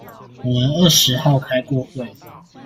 我們二十號開過會